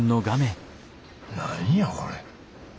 何やこれ。